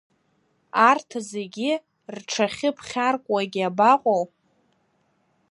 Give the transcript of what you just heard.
Арҭ зегьы рҽахьыԥхьаркуагьы абаҟоу…